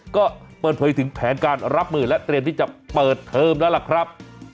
ก็เปิดเผยถึงแผนการรับมือและเตรียมที่จะเปิดเทอมแล้วล่ะครับ